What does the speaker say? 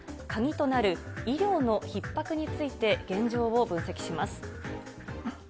鍵となる医療のひっ迫について現状を分析します。